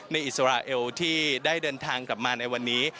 อิสราเอลที่ได้เดินทางกลับมาในวันนี้